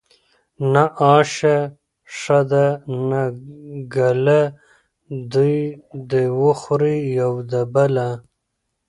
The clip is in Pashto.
ـ نه آشه ښه ده نه ګله دوي د وخوري يو د بله.